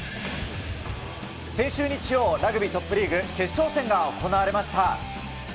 先週日曜、ラグビートップリーグ決勝戦が行われました。